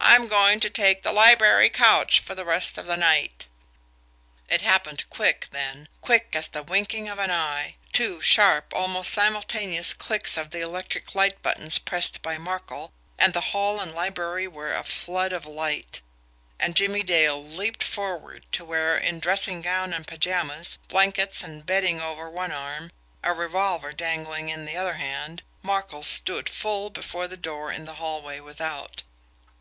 I'm going to take the library couch for the rest of the night." It happened quick, then quick as the winking of an eye. Two sharp, almost simultaneous, clicks of the electric light buttons pressed by Markel, and the hall and library were a flood of light and Jimmie Dale leaped forward to where, in dressing gown and pajamas, blankets and bedding over one arm, a revolver dangling in the other hand, Markel stood full before the door in the hallway without.